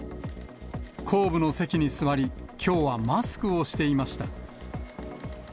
後部の席に座り、きょうはマスクをしていました。